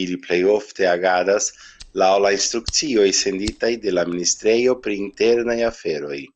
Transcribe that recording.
Ili plejofte agadas laŭ la instrukcioj senditaj de la ministrejo pri internaj aferoj.